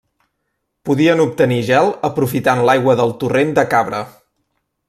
Podien obtenir gel aprofitant l'aigua del torrent de Cabra.